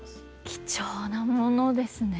貴重なものですね。